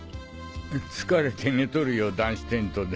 疲れて寝とるよ男子テントで。